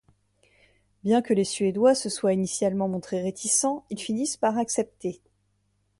Bien que les Suédois se soient initialement montrés réticents, ils finissent par accepter.